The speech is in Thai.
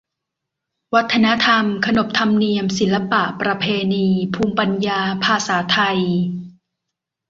วัฒนธรรม ขนบธรรมเนียม ศิลปะ ประเพณี ภูมิปัญญา ภาษาไทย